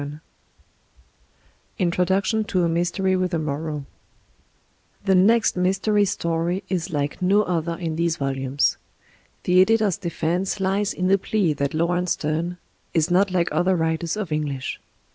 202 Introduction to "^ Mystery with a Moral'' The next Mystery Story is like no other in these volumes. The editor's defense lies in the plea that Laurence Steme is not like other writers of English.